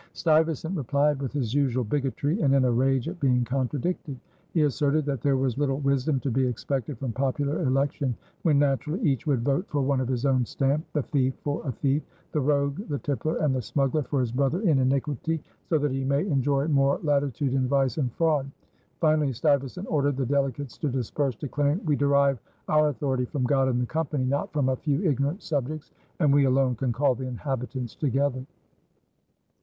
Stuyvesant replied with his usual bigotry and in a rage at being contradicted. He asserted that there was little wisdom to be expected from popular election when naturally "each would vote for one of his own stamp, the thief for a thief, the rogue, the tippler and the smuggler for his brother in iniquity, so that he may enjoy more latitude in vice and fraud." Finally Stuyvesant ordered the delegates to disperse, declaring: "We derive our authority from God and the Company, not from a few ignorant subjects, and we alone can call the inhabitants together."